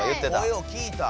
声を聞いた。